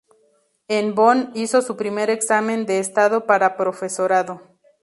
En Bonn hizo su primer examen de estado para profesorado.